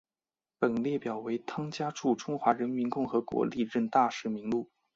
本列表为汤加驻中华人民共和国历任大使名录。